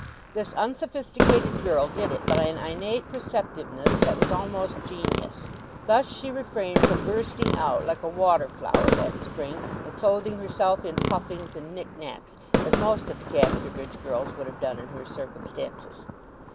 This unsophisticated girl did it by an innate perceptiveness that was almost genius. Thus she refrained from bursting out like a water flower that spring, and clothing herself in puffings and knick knacks, as most of the Casterbridge girls would have done in her circumstances.